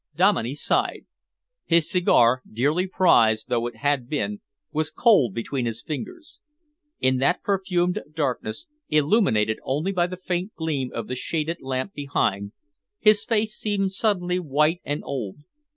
Dominey sighed. His cigar, dearly prized though it had been, was cold between his fingers. In that perfumed darkness, illuminated only by the faint gleam of the shaded lamp behind, his face seemed suddenly white and old.